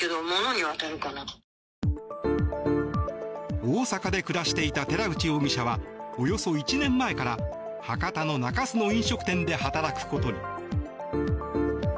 大阪で暮らしていた寺内容疑者はおよそ１年前から博多の中洲の飲食店で働くことに。